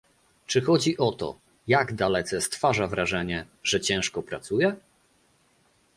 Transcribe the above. Czy chodzi o to, jak dalece stwarza wrażenie, że ciężko pracuje?